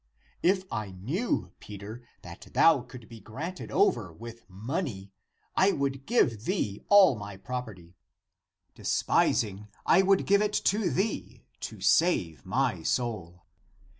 If I knew, Peter, that thou could be gained over with money, I would give (thee) all my property. Despising, I would give it to thee, to save my soul.